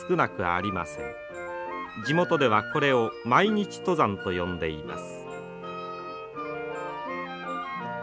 地元ではこれを「毎日登山」と呼んでいます。